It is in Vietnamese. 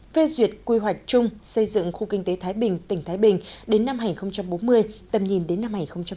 phê duyệt quy hoạch chung xây dựng khu kinh tế thái bình tỉnh thái bình đến năm hai nghìn bốn mươi tầm nhìn đến năm hai nghìn năm mươi